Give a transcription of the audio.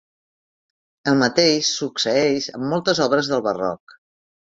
El mateix succeeix amb moltes obres del Barroc.